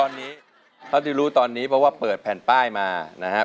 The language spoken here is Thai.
ตอนนี้เท่าที่รู้ตอนนี้เพราะว่าเปิดแผ่นป้ายมานะครับ